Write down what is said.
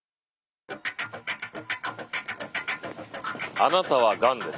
あなたはがんです。